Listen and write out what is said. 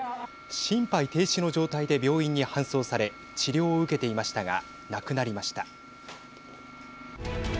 心肺停止の状態で病院に搬送され治療を受けていましたが亡くなりました。